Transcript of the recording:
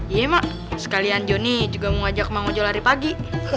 iya emak sekalian jonny juga mau ngajak ma ngojo lari pagi